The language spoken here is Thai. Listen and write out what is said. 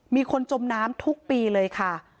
มีคนจมน้ำทุกปีเลยค่ะ